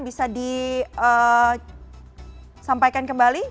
bisa disampaikan kembali